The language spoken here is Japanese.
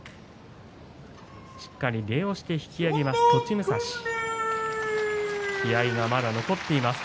しっかり礼をして引き揚げます